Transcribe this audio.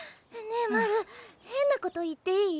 ねえマル変なこと言っていい？